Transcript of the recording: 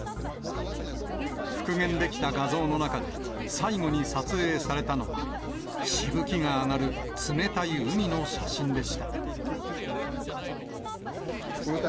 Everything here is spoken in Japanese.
復元できた画像の中で、最後に撮影されたのは、しぶきが上がる冷たい海の写真でした。